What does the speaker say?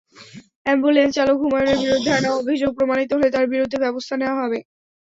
অ্যাম্বুলেন্সচালক হুমায়ূনের বিরুদ্ধে আনা অভিযোগ প্রমাণিত হলে তাঁর বিরুদ্ধে ব্যবস্থা নেওয়া হবে।